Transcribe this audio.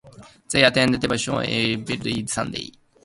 They attend devotion every Sunday.